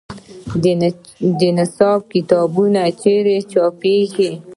د نصاب کتابونه چیرته چاپیږي؟